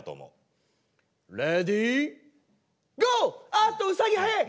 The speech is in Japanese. あっとウサギ速い！